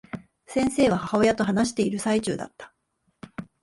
先生は、母親と話している最中だった。